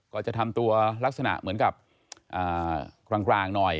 ก็จะทำตัวลักษณะเหมือนกับกลางหน่อย